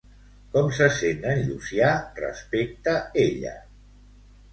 Com se sent en Llucià respecte ella?